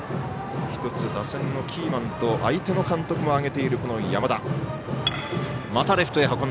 １つ、打線のキーマンと相手の監督も挙げている山田。